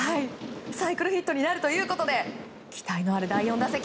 サイクルヒットになるということで期待のある第４打席。